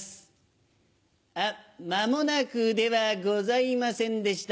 あっまもなくではございませんでした。